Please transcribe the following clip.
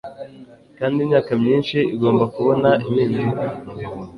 kandi imyaka myinshi igomba kubona impinduka